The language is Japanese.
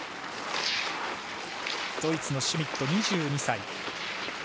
ドイツのシュミット、２２歳。